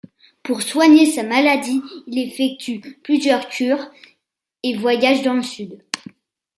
Pour soigner sa maladie, il effectue plusieurs cures et voyages dans le Sud.